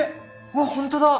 わっホントだ！